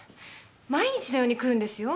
毎日のように来るんですよ。